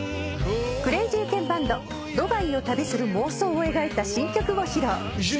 クレイジーケンバンドドバイを旅する妄想を描いた新曲を披露。